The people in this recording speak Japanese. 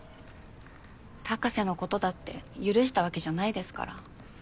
高瀬のことだって許したわけじゃないですから。